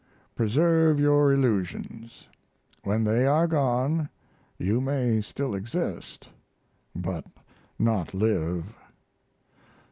Preserve your illusions. When they are gone you may still exist, but not live.